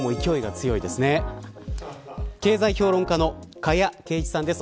経済評論家の加谷珪一さんです。